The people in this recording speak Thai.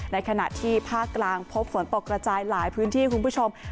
ในขณะที่ภาคกลางพบฝนตกกระจายหลายพื้นที่คุณผู้ชม